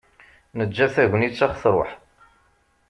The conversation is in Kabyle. Neǧǧa tagnit ad ɣ-truḥ.